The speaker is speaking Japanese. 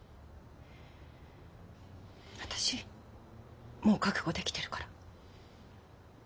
私もう覚悟できてるから。